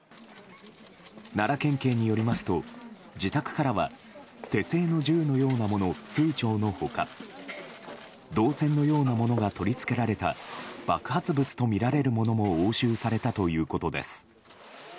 奈良県警によりますと自宅からは手製の銃のようなもの数丁の他銅線のようなものが取り付けられた爆発物とみられるものも押収されたということです。